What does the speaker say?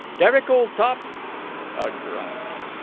"Derek, old top." A grunt.